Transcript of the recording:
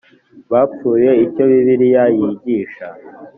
bapfuye icyo bibiliya yigisha